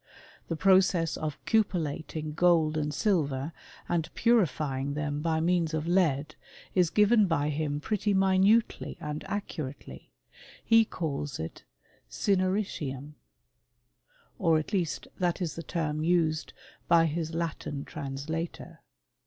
The process of cupellating gold and silver, and purifying them by means of lead, is given by him pretty minutely and accurately : he calls it cineritiuniy or at least that is the term used by his Latin translator.